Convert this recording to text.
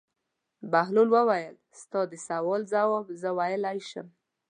بهلول وویل: ستا د سوال ځواب زه ویلای شم.